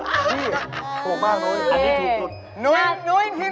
พี่โทษมากนุ้ยอันนี้ถูกสุด